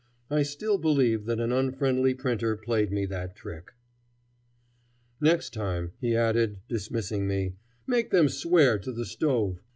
I still believe that an unfriendly printer played me that trick. "Next time," he added, dismissing me, "make them swear to the stove.